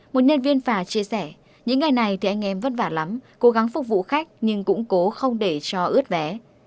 một nhân viên phà chia sẻ những ngày này thì anh em vất vả lắm cố gắng phục vụ khách nhưng cũng cố không để cho ướt vé